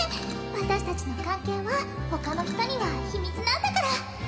「私達の関係は他のヒトには秘密なんだから」